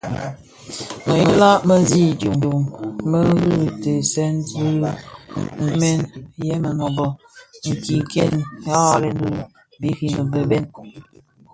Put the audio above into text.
Meghela mě zi idyom meri teesèn dhikpegmen yè menőbökin kè ghaghalen birimbi bhëñ,